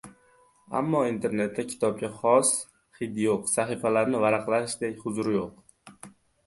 Ammo Internetda kitobga xos hid yo‘q, sahifalarni varaqlashdek huzur yo‘q.